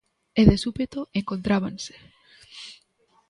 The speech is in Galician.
E de súpeto encontrábanse.